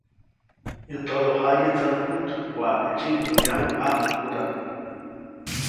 Yäʼ todojaye ndsäjkuʼt waʼajke tsyiʼŋbäyaju ʼãŋʼukudaʼm.